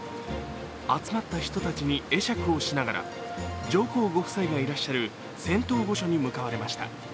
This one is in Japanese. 集まった人たちに会釈をしながら上皇ご夫妻がいらっしゃる仙洞御所に向かわれました。